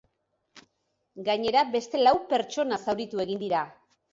Gainera, beste lau pertsona zauritu egin dira.